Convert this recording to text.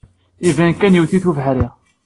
Iban kan iwet-iyi ubeḥri.